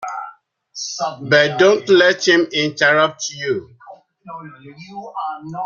But don't let him interrupt you.